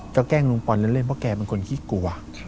ก็แกล้งลุงปอนเล่นเพราะแกเป็นคนขี้กลัว